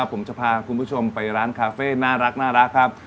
ผมจะพาคุณผู้ชมไปร้านคาเฟ่น่ารักครับ